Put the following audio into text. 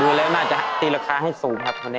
ดูแล้วมันอาจจะตีราคาให้สูงครับคนนี้